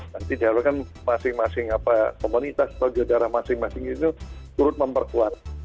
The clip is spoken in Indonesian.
nanti diharukan masing masing komunitas atau daerah masing masing ini turut memperkuat